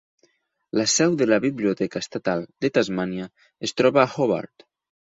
La seu de la Biblioteca Estatal de Tasmània es troba a Hobart.